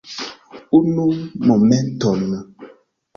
Unu momenton.